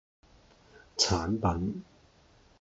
產品